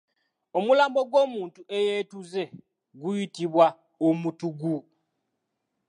Omulambo gw'omuntu eyeetuze guyitibwa omutuggu